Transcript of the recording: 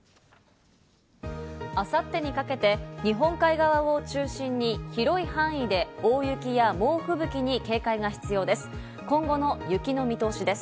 明後日にかけて日本海側を中心に広い範囲で大雪や猛吹雪に警戒が必要です。